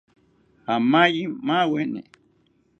Amaye maweni